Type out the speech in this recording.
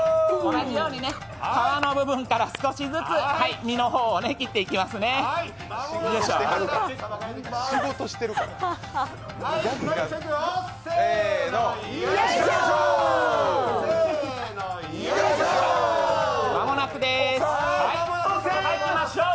同じようにね、皮の部分から少しずつ身の方を切っていきましょう。